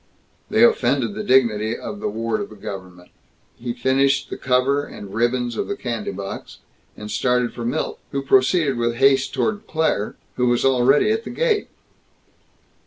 They offended the dignity of the ward of the Government. He finished the cover and ribbons of the candy box, and started for Milt ... who proceeded with haste toward Claire ... who was already at the gate.